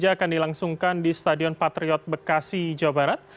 akan dilangsungkan di stadion patriot bekasi jawa barat